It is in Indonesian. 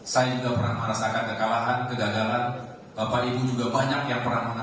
saya juga pernah merasakan kekalahan kegagalan bapak ibu juga banyak yang pernah mengatakan